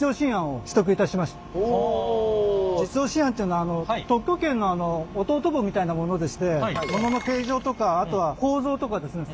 実用新案というのは特許権の弟分みたいなものでしてものの形状とかあとは構造とかですね